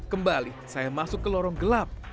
kembali saya masuk ke lorong gelap